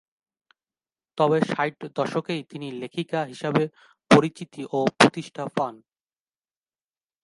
তবে ষাট দশকেই তিনি লেখিকা হিসেবে পরিচিতি ও প্রতিষ্ঠা পান।